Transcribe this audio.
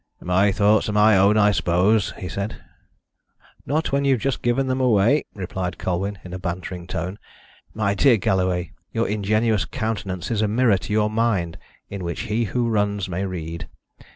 "My thoughts are my own, I suppose," he said. "Not when you've just given them away," replied Colwyn, in a bantering tone. "My dear Galloway, your ingenuous countenance is a mirror to your mind, in which he who runs may read.